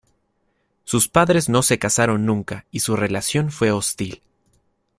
Sus padres no se casaron nunca y su relación fue hostil.